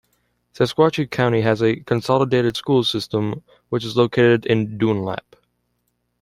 Sequatchie County has a consolidated school system which is located in Dunlap.